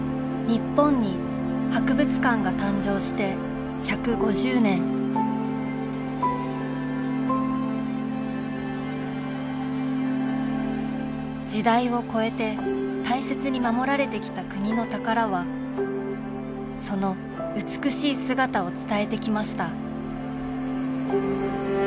日本に博物館が誕生して１５０年時代を超えて大切に守られてきた国の宝はその美しい姿を伝えてきました